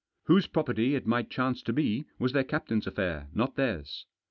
Whose property it might chance to be was their captain's affair not theirs.